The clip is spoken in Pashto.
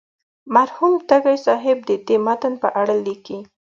مرحوم تږی صاحب د دې متن په اړه لیکي.